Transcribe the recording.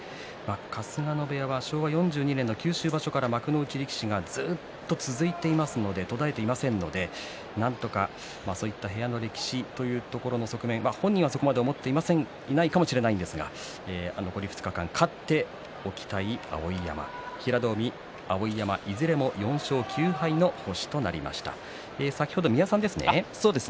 春日野部屋は昭和４２年の九州場所から幕内力士がずっと続いていますので途絶えていませんのでなんとか部屋の力士というところの側面本人はそこまで思っていないかもしれませんが残り２日間勝っておきたい碧山平戸海、碧山いずれも４勝９敗の星となりました。